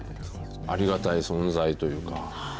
ありがたい存在というか。